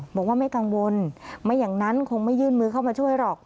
บอกว่าไม่กังวลไม่อย่างนั้นคงไม่ยื่นมือเข้ามาช่วยหรอก